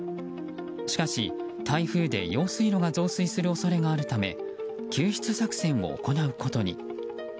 しかし、台風で用水路が増水する恐れがあるため救出作戦を行うことに。